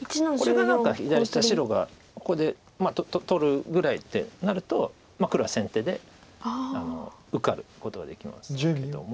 これが左下白がここで取るぐらいってなると黒は先手で受かることができますけども。